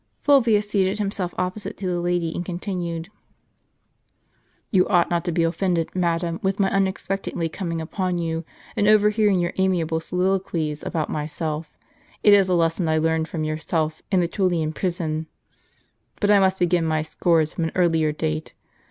Fulvius seated himself opposite to the lady, and con tinued : "You ought not to be offended, madam, with my unex pectedly coming upon you, and overhearing your amiable soliloquies about myself; it is a lesson I learned from your self in the TuUian prison. But I must begin my scores from an earlier date.